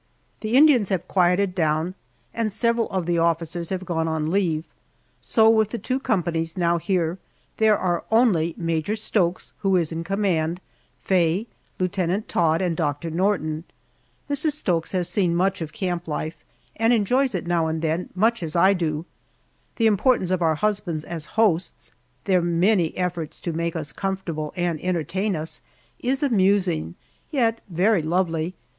The Indians have quieted down, and several of the officers have gone on leave, so with the two companies now here there are only Major Stokes, who is in command, Faye, Lieutenant Todd, and Doctor Norton. Mrs. Stokes has seen much of camp life, and enjoys it now and then as much as I do. The importance of our husbands as hosts their many efforts to make us comfortable and entertain us is amusing, yet very lovely.